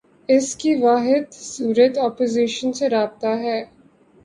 اس کی واحد صورت اپوزیشن سے رابطہ ہے۔